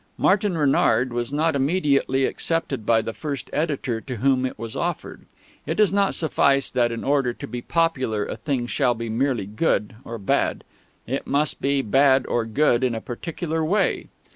Martin Renard was not immediately accepted by the first editor to whom it was offered. It does not suffice that in order to be popular a thing shall be merely good or bad; it must be bad or good in a particular way.